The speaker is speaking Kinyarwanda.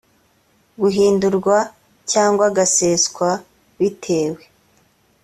guhindurwa cyangwa agaseswa bitewe